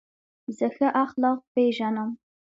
زه ښه اخلاق پېژنم.